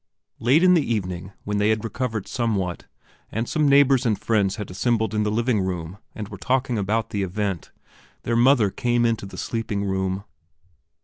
Late in the evening, when they had recovered somewhat, and some neighbors and friends had assembled in the living room and were talking about the event, their mother came into the sleeping room.